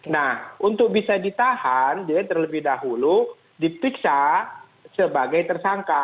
nah untuk bisa ditahan dia terlebih dahulu diperiksa sebagai tersangka